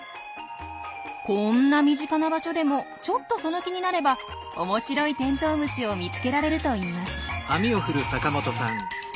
こんな身近な場所でもちょっとその気になれば面白いテントウムシを見つけられるといいます。